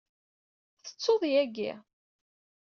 Tettuḍ yagi.